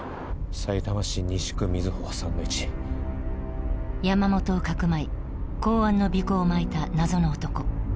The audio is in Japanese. さいたま市西区瑞穂３−１山本をかくまい公安の尾行をまいた謎の男